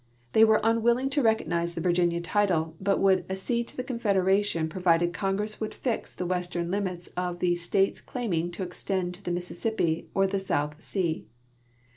They were un willing to recognize the Virginia title, but would 'accede to tlie confederation provided Congress would fix the western limits of the slates claiming to extend to the Mississippi or the South sea.